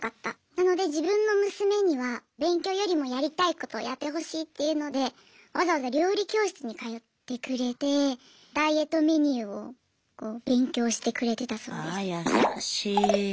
なので自分の娘には勉強よりもやりたいことやってほしいっていうのでわざわざ料理教室に通ってくれてダイエットメニューを勉強してくれてたそうです。